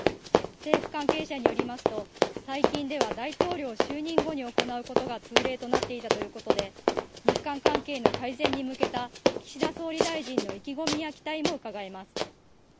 政府関係者によりますと最近では大統領就任後に行うことが通例となっていたということで日韓関係の改善に向けた岸田総理大臣の意気込みや期待もうかがえます。